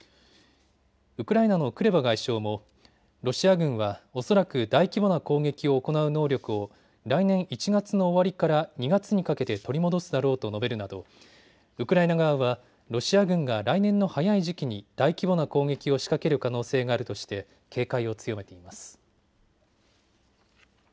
ウクライナのクレバ外相もロシア軍は恐らく大規模な攻撃を行う能力を来年１月の終わりから２月にかけて取り戻すだろうと述べるなどウクライナ側はロシア軍が来年の早い時期に大規模な攻撃を仕掛ける可能性があるとして警戒を強めています。